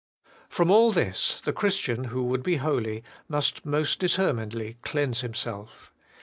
From all this, the Christian, who would be holy, must most determinedly cleanse himself.